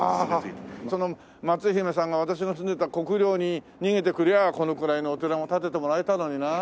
その松姫さんが私の住んでた国領に逃げてくりゃあこのくらいのお寺も建ててもらえたのになあ。